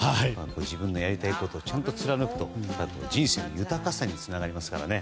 自分のやりたいことをちゃんと貫くと人生の豊かさにつながりますからね。